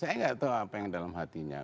saya nggak tahu apa yang dalam hatinya